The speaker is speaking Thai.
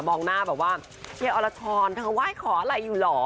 องหน้าแบบว่าเฮียอรชรเธอไหว้ขออะไรอยู่เหรอ